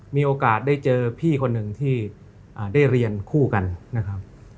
มีโอกาสได้เจอพี่คนหนึ่งที่ได้เรียนคู่กันนะครับ